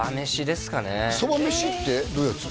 そばめしってどういうやつ？